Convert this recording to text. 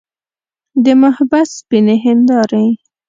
د محبس سپینې هندارې.